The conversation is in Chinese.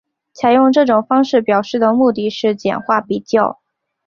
采用这种方式表示的目的是简化比较。